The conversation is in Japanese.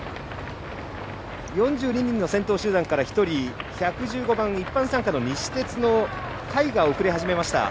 ４２人の先頭集団から１人一般参加の西鉄の甲斐が遅れ始めました。